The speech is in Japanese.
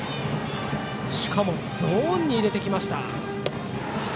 しかもゾーンに入れてきた。